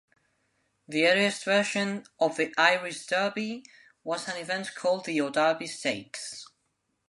The earliest version of the Irish Derby was an event called the O'Darby Stakes.